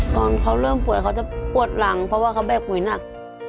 ตอนเขาเริ่มป่วยเขาจะปวดหลังเพราะว่าเขาแบกป่วยหนัก